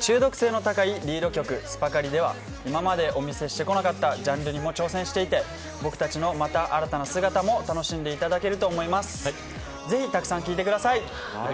中毒性の高いリード曲「ＳｕｐｅｒＣａｌｉ」では今までお見せしてこなかったジャンルにも挑戦していて僕たちのまた新たな姿もぜひたくさん聞いてください。